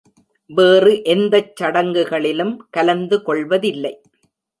வேறு எந்தச் சடங்குகளிலும் கலந்து கொள்வதில்லை.